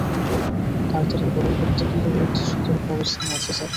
তাড়াতাড়ি করো প্রত্যেক ইউনিট সর্তক অবস্থানে আছে স্যার।